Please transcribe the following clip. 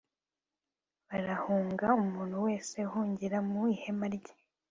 barahunga umuntu wese ahungira mu ihema rye